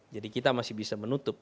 jadi kita masih bisa menutup